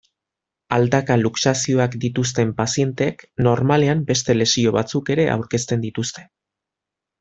Aldaka-luxazioak dituzten pazienteek normalean beste lesio batzuk ere aurkezten dituzte.